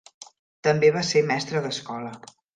També va ser mestre d'escola.